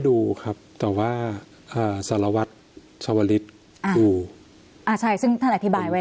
ดูครับแต่ว่าอ่าสารวัตรชาวลิศอ่าดูอ่าใช่ซึ่งท่านอธิบายไว้